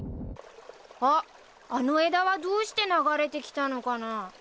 あっあの枝はどうして流れてきたのかな？